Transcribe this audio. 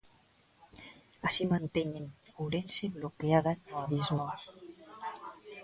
Así manteñen Ourense bloqueada no abismo.